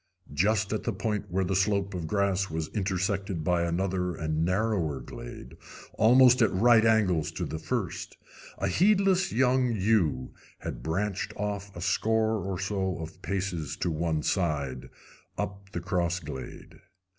Just at the point where the slope of grass was intersected by another and narrower glade, almost at right angles to the first, a heedless young ewe had branched off a score or so of paces to one side, up the cross glade.